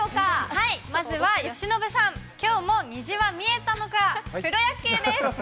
はい、まずは由伸さん、きょうも虹は見えたのか、プロ野球です。